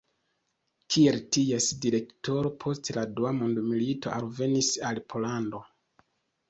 Kiel ties direktoro post la dua mondmilito alvenis al Pollando.